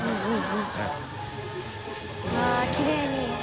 うわっきれいに。